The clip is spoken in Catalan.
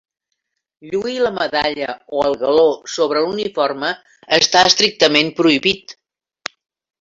Lluir la medalla o el galó sobre l'uniforme està estrictament prohibit.